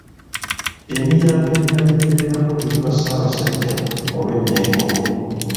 Emiryango emirala egibeera ku lubiri lwa Ssaabasajja olw'e Mengo.